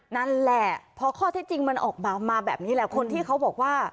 นั่นแหละพอข้อเท็จจริงมันออกมามาแบบนี้แหละคนที่เขาบอกว่า